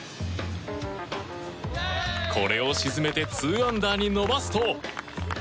これを沈めて２アンダーに伸ばすと。